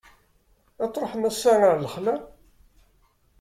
Ad truḥem ass-a ɣer lexla?